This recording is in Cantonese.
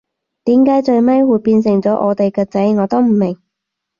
點解最尾會變咗係我哋嘅仔，我都唔明